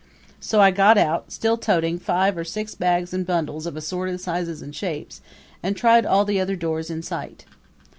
So I got out, still toting five or six bags and bundles of assorted sizes and shapes, and tried all the other doors in sight.